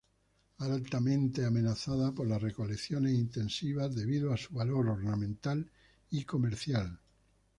Altamente amenazada por las recolecciones intensivas debido a su valor ornamental y comercial.